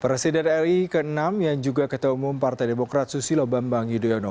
presiden ri ke enam yang juga ketua umum partai demokrat susilo bambang yudhoyono